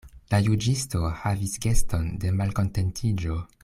La juĝisto havis geston de malkontentiĝo.